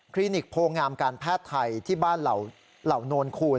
นิกโพงามการแพทย์ไทยที่บ้านเหล่าโนนคูณ